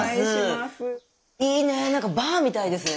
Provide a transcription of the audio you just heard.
いいねバーみたいですね。